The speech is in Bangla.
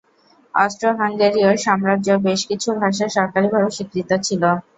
অস্ট্রো-হাঙ্গেরীয় সাম্রাজ্য বেশ কিছু ভাষা সরকারিভাবে স্বীকৃত ছিল।